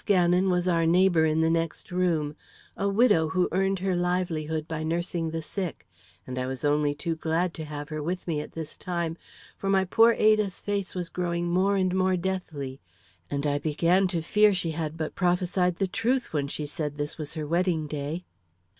Gannon was our neighbor in the next room, a widow who earned her livelihood by nursing the sick; and I was only too glad to have her with me at this time, for my poor Ada's face was growing more and more deathly, and I began to fear she had but prophesied the truth when she said this was her wedding day.